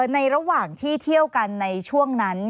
ในระหว่างที่เที่ยวกันในช่วงนั้น